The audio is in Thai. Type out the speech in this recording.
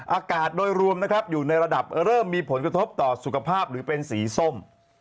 อากาศโดยรวมนะครับอยู่ในระดับเริ่มมีผลกระทบต่อสุขภาพหรือเป็นสีส้ม